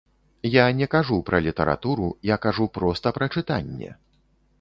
Я не кажу пра літаратуру, я кажу проста пра чытанне.